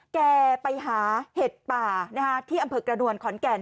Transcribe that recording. แกไปหาเห็ดป่าที่อำเภอกระนวลขอนแก่น